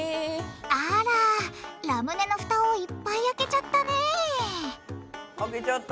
あらラムネのふたをいっぱい開けちゃったね開けちゃった。